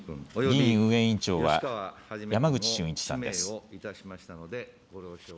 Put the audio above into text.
議院運営委員長は、山口俊一さんです。